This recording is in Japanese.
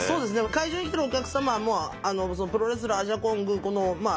会場に来てるお客様もプロレスラーアジャコングまあ